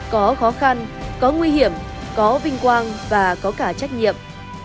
có khó khăn có nguy hiểm có vinh quang và có cả trách nhiệm